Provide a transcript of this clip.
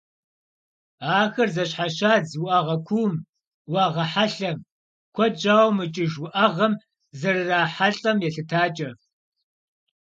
Ахэр зэщхьэщадз уӏэгъэ кууум, уӏэгъэ хьэлъэм, куэд щӏауэ мыкӏыж уӏэгъэм зэрырахьэлӏэм елъытакӏэ.